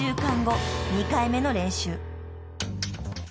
［２回目の練習］